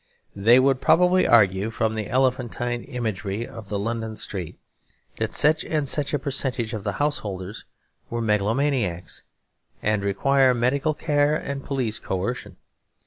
They would probably argue from the elephantine imagery of the London street that such and such a percentage of the householders were megalomaniacs and required medical care and police coercion.